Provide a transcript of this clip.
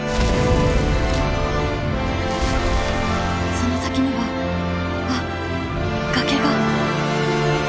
その先にはあっ崖が。